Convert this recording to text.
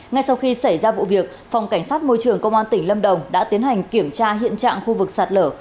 ngay sau khi xảy ra vụ việc phòng cảnh sát môi trường công an tỉnh lâm đồng đã tiến hành kiểm tra hiện trạng khu vực sạt lở